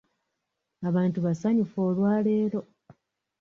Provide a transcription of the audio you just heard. Abantu basanyufu olwa leero.